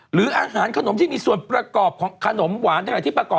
หรืออาหารขนมที่มีส่วนประกอบของขนมหวานกับกะทิสด